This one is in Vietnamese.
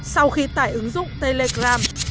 sau khi tải ứng dụng telegram